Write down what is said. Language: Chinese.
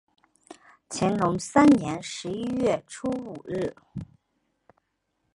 乾隆三年十一月初五日。